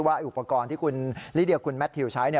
อุปกรณ์ที่คุณลิเดียคุณแมททิวใช้